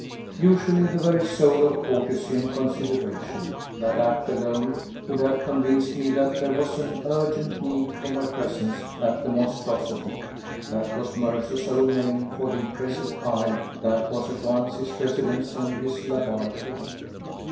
Usually the very soul of courtesy and consideration, that act alone would have convinced me that there was an urgent need for my presence at The Monstrosity. That was Mercer's own name for the impressive pile that was at once his residence and his laboratory.